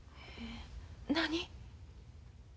何？